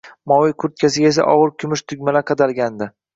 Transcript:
Moviy kurtkasiga esa ogʻir kumush tugmalar qadalgandi.